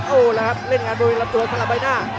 โอ้แล้วครับเล่นงานโดยรับตัวสำหรับใบหน้า